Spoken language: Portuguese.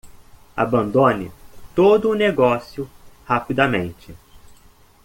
Abandone todo o negócio rapidamente.